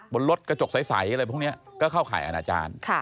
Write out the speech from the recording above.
บนรถกระจกใสอะไรพวกนี้ก็เข้าข่ายอาณาจารย์